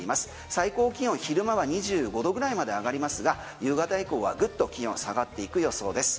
最高気温昼間は２５度ぐらいまで上がりますが夕方以降はぐっと気温下がっていく予想です。